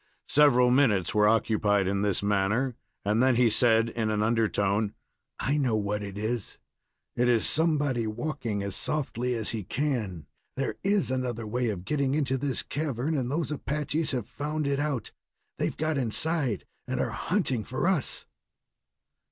Several minutes were occupied in this manner, and then he said, in an undertone: "I know what it is! it is somebody walking as softly as he can. There is another way of getting into this cavern, and those Apaches have found it out. They've got inside and are hunting for us!"